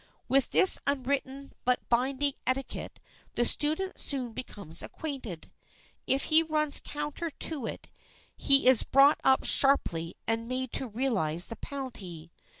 With this unwritten but binding etiquette the student soon becomes acquainted. If he runs counter to it, he is brought up sharply and made to realize the penalty.